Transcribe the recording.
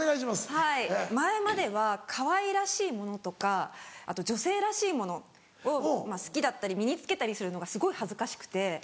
はい前まではかわいらしいものとかあと女性らしいものを好きだったり身に着けたりするのがすごい恥ずかしくて。